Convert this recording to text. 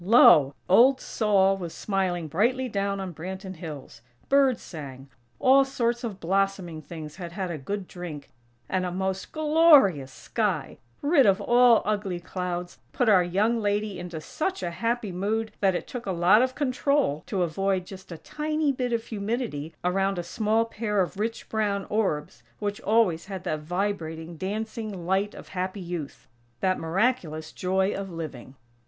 Lo!! Old Sol was smiling brightly down on Branton Hills; birds sang; all sorts of blossoming things had had a good drink; and a most glorious sky, rid of all ugly clouds, put our young lady into such a happy mood that it took a lot of control to avoid just a tiny bit of humidity around a small pair of rich, brown orbs which always had that vibrating, dancing light of happy youth; that miraculous "joy of living."